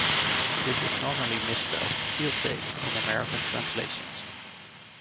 This is normally misspelled "Field Day" in American translations.